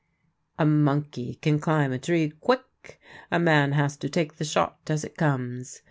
A monkey can climb a tree quick ; a man has to take the shot as it comes."